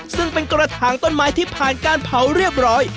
ซึ่งเป็นกระถางต้นไม้ที่ผ่านการเผาเรียบร้อย